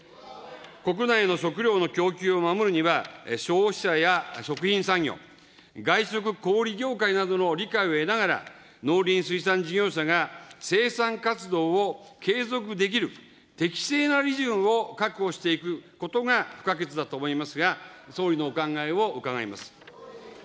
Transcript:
国内の食料の供給を守るには、消費者や食品産業、外食・小売り業界などの理解を得ながら、農林水産事業者が生産活動を継続できる適正な利潤を確保していくことが不可欠だと思いますが、総理のお考えを伺います。